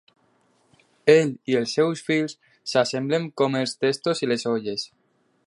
Ell i els seus fills s'assemblen com els testos i les olles.